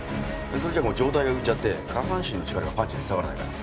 それじゃ上体が浮いちゃって下半身の力がパンチに伝わらないから。